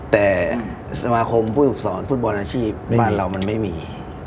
แต่สมาคมผู้ฝึกสอนฟุตบอลอาชีพบ้านเรามันไม่มี